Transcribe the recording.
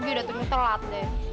juga datengnya terlalu lama deh